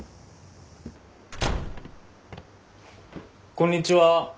こんにちは。